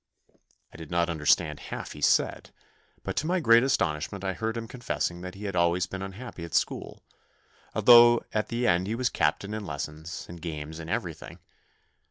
I did not understand half he said, but to my great astonishment I heard him confessing that he had always been unhappy at school, although at the end he was captain in lessons, in games, in everything.